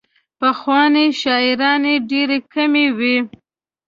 پخوانۍ شاعرانې ډېرې کمې وې.